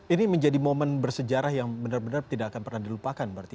ini menjadi momen bersejarah yang benar benar tidak akan pernah dilupakan berarti